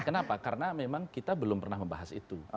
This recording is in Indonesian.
kenapa karena memang kita belum pernah membahas itu